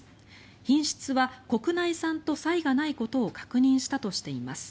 品質は国内産と差異がないことを確認したとしています。